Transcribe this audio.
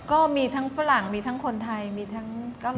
ก็มีทั้งฝรั่งมีทั้งคนไทยมีทั้ง